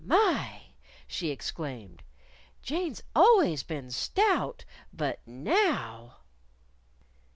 "My!" she exclaimed. "Jane's always been stout. But now